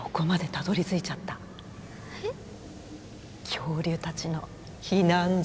恐竜たちの避難所。